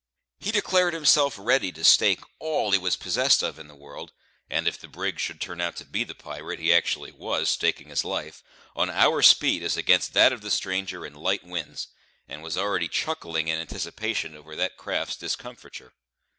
He declared himself ready to stake all he was possessed of in the world (and if the brig should turn out to be the pirate, he actually was staking his life) on our speed as against that of the stranger in light winds, and was already chuckling in anticipation over that craft's discomfiture.